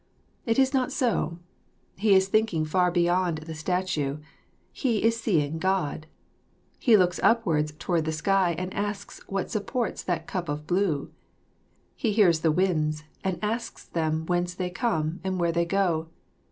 It is not so; he is thinking far beyond the statue, he is seeing God. He looks upwards towards the sky and asks what supports that cup of blue. He hears the winds and asks them whence they come and where they go.